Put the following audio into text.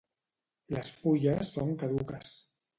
Les fulles són caduques.